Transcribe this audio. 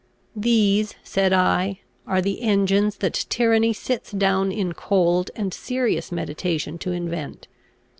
"These," said I, "are the engines that tyranny sits down in cold and serious meditation to invent.